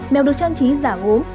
mèo được trang trí giả gốm